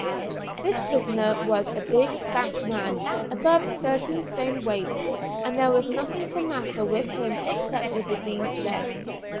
This prisoner was a big stout man, above thirteen stone weight, and there was nothing the matter with him except a diseased leg.